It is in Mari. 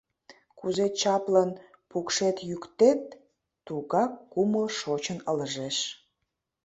Кузе чаплын пукшет-йӱктет, тугак кумыл шочын ылыжеш.